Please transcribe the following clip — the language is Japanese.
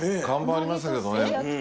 看板ありましたけどね。